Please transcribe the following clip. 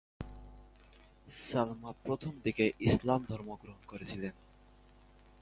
সালমা প্রথম দিকে ইসলাম ধর্ম গ্রহণ করেছিলেন।